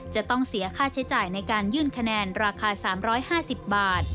จะต้องเสียค่าใช้จ่ายในการยื่นคะแนนราคา๓๕๐บาท